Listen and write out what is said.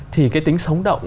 thì cái tính sống động